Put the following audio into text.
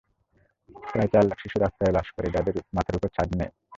প্রায় চার লাখ শিশু রাস্তায় বাস করে, যাদের মাথার ওপর ছাদ নেই।